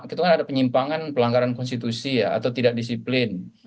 itu kan ada penyimpangan pelanggaran konstitusi atau tidak disiplin